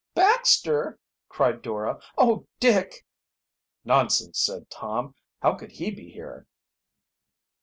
"Baxter!" cried Dora. "Oh, Dick!" "Nonsense!" said Tom. "How could he be am here?"